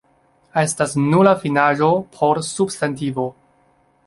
Estas nula finaĵo por substantivo.